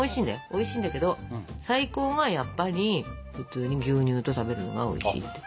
おいしいんだけど最高はやっぱり普通に牛乳と食べるのがおいしいんだって。